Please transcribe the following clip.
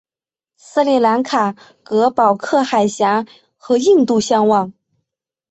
斯里兰卡隔保克海峡和印度相望。